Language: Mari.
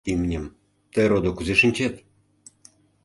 — Имньым... тый, родо, кузе шинчет?..